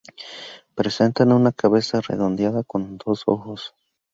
Presentan una cabeza redondeada con dos ojos.